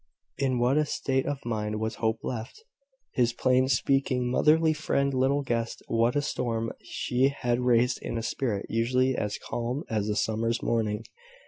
In what a state of mind was Hope left! His plain speaking motherly friend little guessed what a storm she had raised in a spirit usually as calm as a summer's morning.